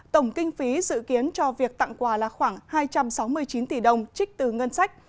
tổng kinh phí dự kiến cho việc tặng quà là khoảng hai trăm sáu mươi chín tỷ đồng trích từ ngân sách